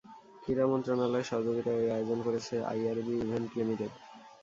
ক্রীড়া মন্ত্রণালয়ের সহযোগিতায় এ আয়োজন করছে আইআরবি ইভেন্ট লিমিটেড।